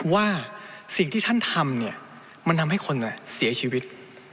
ว่าสิ่งที่ท่านทำเนี่ยมันทำให้คนเสียชีวิต